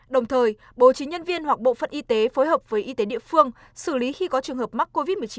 đồng thời bố trí nhân viên hoặc bộ phận y tế phối hợp với y tế địa phương xử lý khi có trường hợp mắc covid một mươi chín